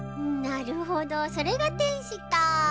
なるほどそれがてんしか。